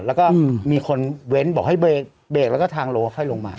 แล้วก็มีคนเว้นบอกให้เบรกแล้วก็ทางโลค่อยลงมา